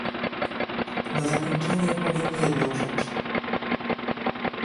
Na zakończenie powiem jedną rzecz